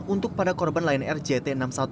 untuk pada korban lion air jt enam ratus sepuluh